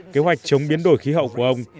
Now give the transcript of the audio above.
kế hoạch chống biến đổi khí hậu của ông